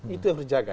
itu yang harus dijaga